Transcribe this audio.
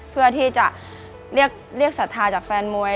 เพื่อที่จะเรียกศรัทธาจากแฟนมวย